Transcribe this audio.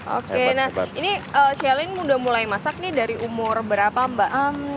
oke nah ini shelin udah mulai masak nih dari umur berapa mbak